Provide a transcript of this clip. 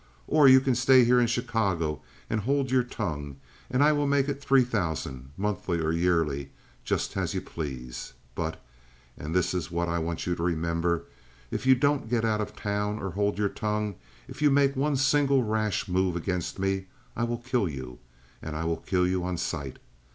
Or you can stay here in Chicago and hold your tongue and I will make it three thousand—monthly or yearly, just as you please. But—and this is what I want you to remember—if you don't get out of town or hold your tongue, if you make one single rash move against me, I will kill you, and I will kill you on sight.